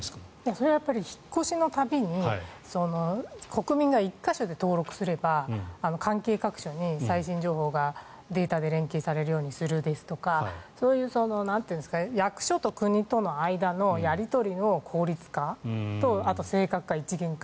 それは引っ越しの度に国民が１か所で登録をすれば関係各所に最新情報がデータで連携されるようにするとかですとか役所と国との間のやり取りの効率化とあとは一元化。